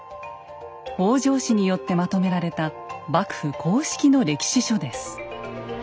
北条氏によってまとめられた幕府公式の歴史書です。